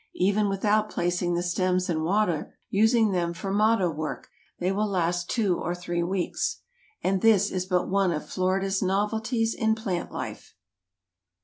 Even without placing the stems in water, using them for motto work, they will last two or three weeks. And this is but one of Florida's novelties in plant life.